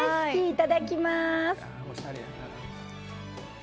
いただきまーす。